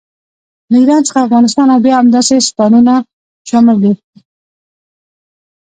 له ایران څخه افغانستان او بیا همداسې ستانونه شامل دي.